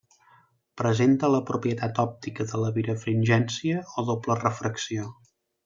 Presenta la propietat òptica de la birefringència o doble refracció.